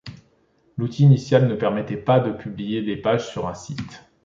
L'outil initial ne permettait pas de publier les pages sur un site.